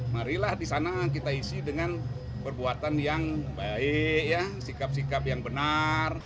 marilah di sana kita isi dengan perbuatan yang baik sikap sikap yang benar